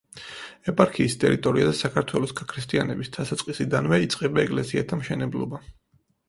ეპარქიის ტერიტორიაზე საქართველოს გაქრისტიანების დასაწყისიდანვე იწყება ეკლესიათა მშენებლობა.